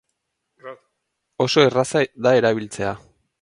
Oso erraza da erabiltzea.